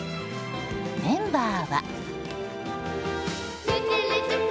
メンバーは。